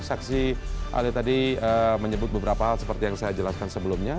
saksi ali tadi menyebut beberapa hal seperti yang saya jelaskan sebelumnya